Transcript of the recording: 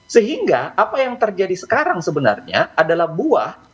sehingga apa yang terjadi sekarang sebenarnya adalah buah